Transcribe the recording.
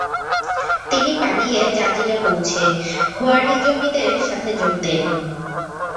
তিনি পালিয়ে জাজিরা পৌঁছে, খোয়ারিজমীদের সাথে যোগ দেন।